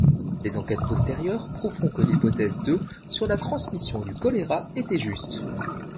Les enquêtes postérieures prouveront que l'hypothèse de sur la transmission du choléra était juste.